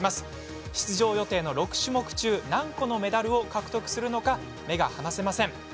出場予定の６種目中何個のメダルを獲得するのか目が離せません。